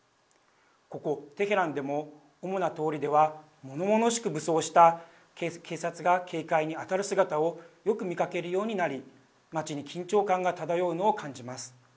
ここ、テヘランでも主な通りではものものしく武装した警察が警戒に当たる姿をよく見かけるようになり街に緊張感が漂うのを感じます。